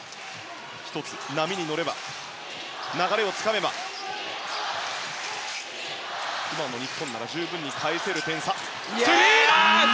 １つ波に乗れば流れをつかめば今の日本なら十分に返せる点差。